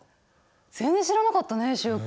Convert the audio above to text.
全然知らなかったね習君。